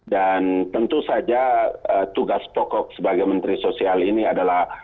dan tentu saja tugas pokok sebagai menteri sosial ini adalah